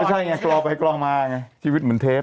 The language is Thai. ไม่ใช่อย่างนี้กล่อไปกล่อมาชีวิตเหมือนเทป